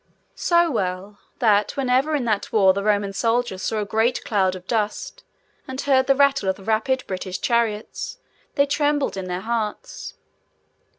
So well, that whenever in that war the Roman soldiers saw a great cloud of dust, and heard the rattle of the rapid British chariots, they trembled in their hearts.